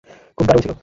খুব দারুন ছিল।